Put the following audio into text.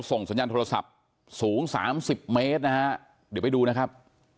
ส่งสัญญาณโทรศัพท์สูงสามสิบเมตรนะฮะเดี๋ยวไปดูนะครับ